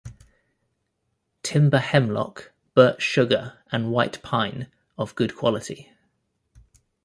Timber Hemlock Birch Sugar and White Pine of good quality.